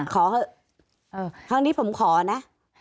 ครั้งนี้ผมขอนะ